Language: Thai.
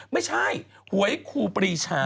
ไม่ใช่หวยครูปรีชา